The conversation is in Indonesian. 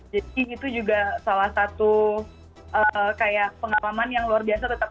jadi itu juga salah satu kayak pengalaman yang luar biasa tetap